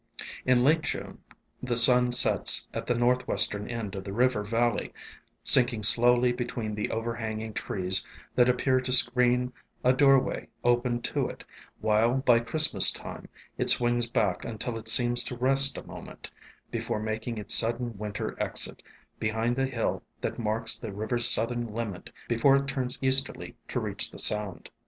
In late June the sun sets at the northwestern end of the river valley, sinking slowly between the overhanging trees that appear to screen a doorway opened to it, while by Christmas time it swings back until it seems to rest a moment, be fore making its sudden winter exit, behind a hill that marks the river's southern limit before it turns easterly to reach the sound.